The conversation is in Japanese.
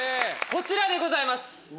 こちらでございます。